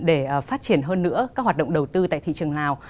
để phát triển hơn nữa các hoạt động đầu tư tại thị trường lào